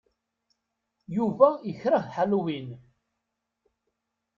Yuba ikṛeh Halloween.